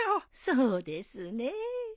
そうですね。